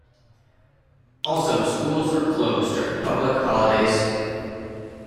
Also schools are closed during public holidays.